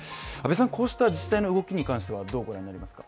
こうした自治体の動きに関してはどうご覧になりますか。